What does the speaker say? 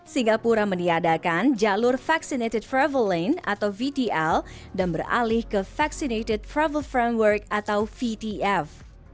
singapura meniadakan jalur vaccinated travel lane atau vtl dan beralih ke vaccinated travel framework atau vtf